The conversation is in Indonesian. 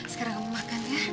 sekarang kamu makan ya